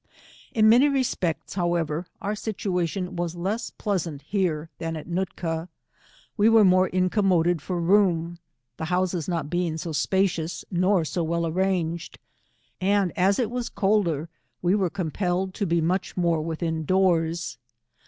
In many respects, however, our situation was less pleasant here than at Nootka. We were more incommoded for roona, the houses not being 80 spacious, nor so v;eil arranged, and as it was colder, we were compelled to be much more within doors.